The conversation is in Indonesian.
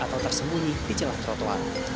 atau tersembunyi di celah trotoar